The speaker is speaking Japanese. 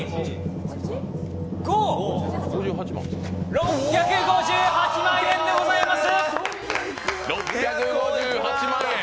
６５８万円でございます。